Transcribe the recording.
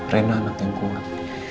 reina anak yang kuat